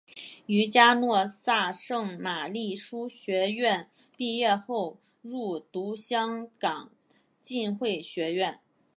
于嘉诺撒圣玛利书院毕业后入读香港浸会学院。